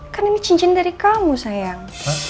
karena ini cincin dari kamu sayang